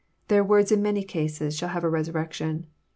Their words in many cases shall have a resurrection.